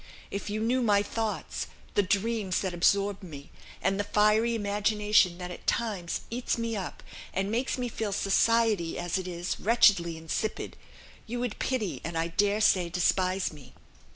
If you knew my thoughts, the dreams that absorb me, and the fiery imagination that at times eats me up, and makes me feel society, as it is, wretchedly insipid, you would pity and I dare say despise me.